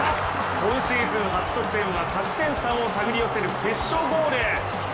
今シーズン初得点は勝ち点３を手繰り寄せる決勝ゴール。